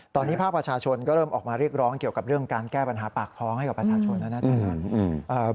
ตอนนี้ภาคประชาชนก็เริ่มออกมาเรียกร้องเกี่ยวกับเรื่องการแก้ปัญหาปากท้องให้กับประชาชนแล้วนะ